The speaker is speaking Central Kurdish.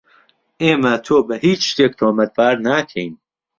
ئێمە تۆ بە هیچ شتێک تۆمەتبار ناکەین.